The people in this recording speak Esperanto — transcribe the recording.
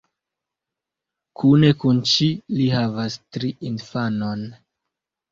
Kune kun ŝi li havas tri infanon.